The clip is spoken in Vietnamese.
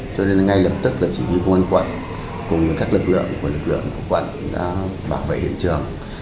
cho nên ngay lập tức chỉ huy quân quận cùng với các lực lượng của lực lượng quận bảo vệ hiện trường